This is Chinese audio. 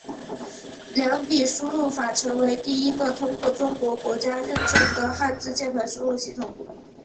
二笔输入法成为第一个通过中国国家认证的汉字键盘输入系统。